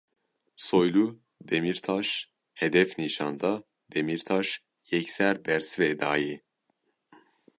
Soylu Demîrtaş hedef nîşan da, Demîrtaş yekser besivê dayê.